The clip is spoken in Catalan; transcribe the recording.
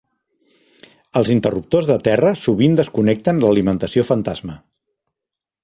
El interruptors de terra sovint desconnecten l'alimentació fantasma.